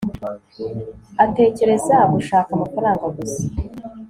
atekereza gushaka amafaranga gusa